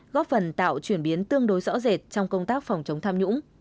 góp phần tạo chuyển biến tương đối rõ rệt trong công tác phòng chống tham nhũng